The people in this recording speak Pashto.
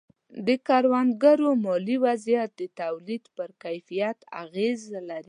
د کروندګرو مالي وضعیت د تولید پر کیفیت اغېز لري.